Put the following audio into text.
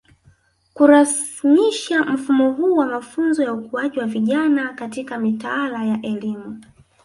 Kurasmisha mfumo huu wa mafunzo ya ukuaji kwa vijana katika mitaala ya elimu